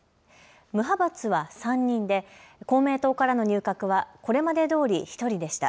無派閥は３人で、公明党からの入閣はこれまでどおり１人でした。